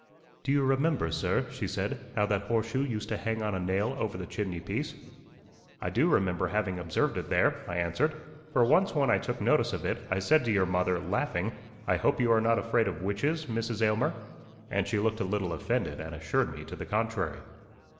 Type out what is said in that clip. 'Do you remember, sir,' she said, 'how that horseshoe used to hang on a nail over the chimneypiece?' 'I do remember having observed it there,' I answered; 'for once when I took notice of it, I said to your mother, laughing, "I hope you are not afraid of witches, Mrs. Aylmer?" And she looked a little offended, and assured me to the contrary.